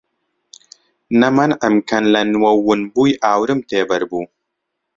نە مەنعم کەن لە نووەو ون بووی ئاورم تێ بەر بوو